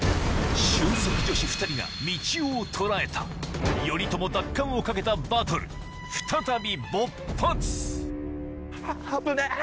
俊足女子２人がみちおを捉えた頼朝奪還をかけたバトル再び勃発危ねぇ！